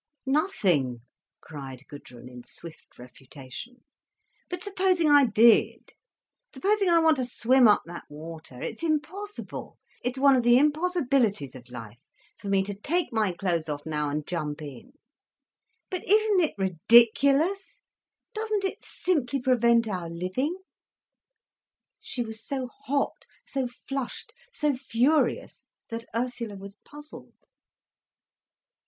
"Nothing," cried Gudrun, in swift refutation. "But supposing I did. Supposing I want to swim up that water. It is impossible, it is one of the impossibilities of life, for me to take my clothes off now and jump in. But isn't it ridiculous, doesn't it simply prevent our living!" She was so hot, so flushed, so furious, that Ursula was puzzled.